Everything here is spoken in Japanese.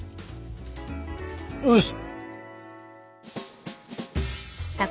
よし。